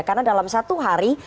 karena dalam satu hari